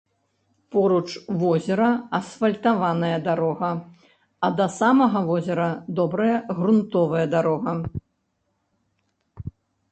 Поруч возера асфальтаваная дарога, а да самага возера добрая грунтавая дарога.